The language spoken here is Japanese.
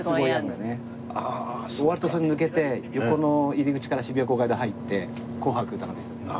終わるとそれ抜けて横の入り口から渋谷公会堂入って『紅白歌のベストテン』。